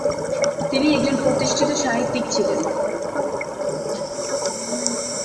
তিনি একজন প্রতিষ্ঠিত সাহিত্যিক ছিলেন ।